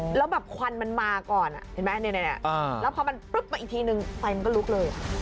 แล้วแบบควันมันมาก่อนเห็นไหมแล้วพอมันปึ๊บมาอีกทีนึงไฟมันก็ลุกเลย